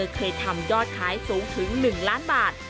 เคยทำยอดขายสูงถึง๑ล้านบาท